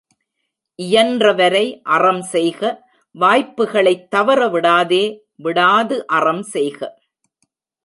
இயன்றவரை அறம் செய்க வாய்ப்புகளைத் தவற விடாதே விடாது அறம் செய்க.